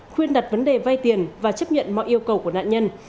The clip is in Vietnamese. khuyên đặt vấn đề vay tiền và chấp nhận mọi yêu cầu của nạn nhân